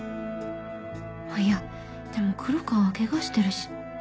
いやでも黒川はケガしてるし